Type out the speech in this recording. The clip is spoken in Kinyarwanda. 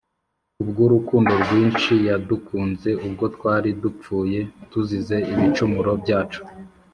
Kubw’urukundo rwinshi yadukunze, ubwo twari dupfuye tuzize ibicumuro byacu,